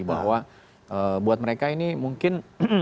bahwa buat mereka ini mungkin